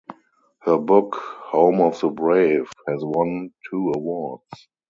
Her book "Home of the Brave" has won two awards.